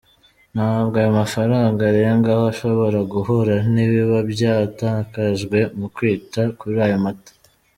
Ntabwo ayo mafaranga arengaho ashobora guhura n’ibiba byatakajwe ku kwita kuri ayo mata.